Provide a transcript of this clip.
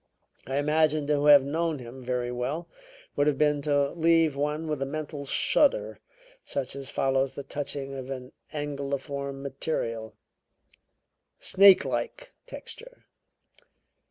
I imagine to have known him very well would have been to leave one with a mental shudder such as follows the touching of anguilliform material; snake like texture.